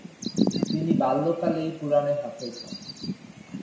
তিনি বাল্যকালেই কোরআন এ হাফেজ হন।